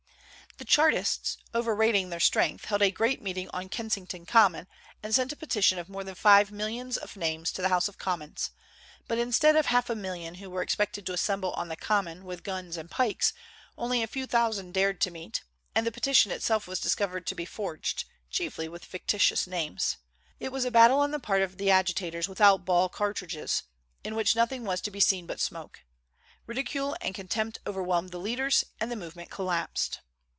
The Chartists, overrating their strength, held a great meeting on Kensington Common, and sent a petition of more than five millions of names to the House of Commons; but instead of half a million who were expected to assemble on the Common with guns and pikes, only a few thousand dared to meet, and the petition itself was discovered to be forged, chiefly with fictitious names. It was a battle on the part of the agitators without ball cartridges, in which nothing was to be seen but smoke. Ridicule and contempt overwhelmed the leaders, and the movement collapsed.